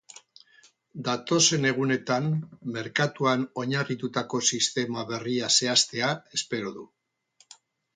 Datozen egunetan merkatuan oinarritutako sistema berria zehaztea espero du.